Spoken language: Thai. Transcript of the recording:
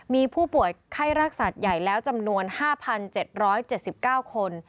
มีผู้ป่วยไข้รักษาใหญ่แล้วจำนวน๕๗๗๙คน